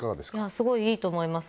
すごいいいと思います。